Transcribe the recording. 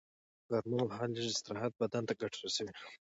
غرمه مهال لږ استراحت بدن ته ګټه رسوي